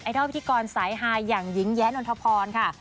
อันนี้เน็ตไอดอลพิธีกรสายหายอย่างหญิงแย้นนทพรค่ะ